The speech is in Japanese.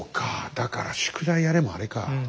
だから「宿題やれ」もあれか。